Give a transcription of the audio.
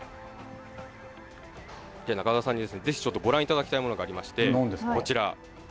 中澤さんにですね、ぜひちょっとご覧いただきたいものがありまして、こちら。